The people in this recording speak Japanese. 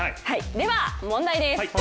では、問題です。